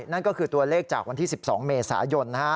นั่นก็คือตัวเลขจากวันที่๑๒เมษายน